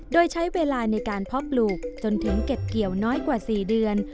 โดยใช้เวลาในการเพาะปลูกจนถึงเก็บเกี่ยวน้อยกว่า๔เดือน